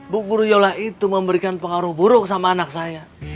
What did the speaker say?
bu guru yola itu memberikan pengaruh buruk sama anak saya